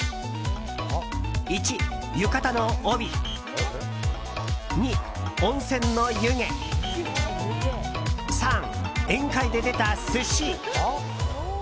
１、浴衣の帯２、温泉の湯気３、宴会で出た寿司。